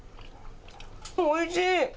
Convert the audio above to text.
おいしい。